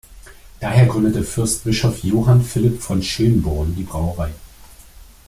Daher gründete Fürstbischof Johann Philipp von Schönborn die Brauerei.